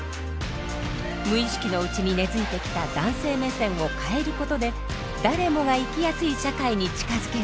無意識のうちに根づいてきた男性目線を変えることで誰もが生きやすい社会に近づける。